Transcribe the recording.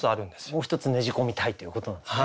もう１つねじ込みたいということなんですね。